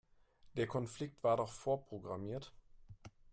Der Konflikt war doch vorprogrammiert.